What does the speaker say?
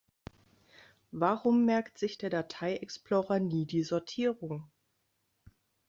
Warum merkt sich der Datei-Explorer nie die Sortierung?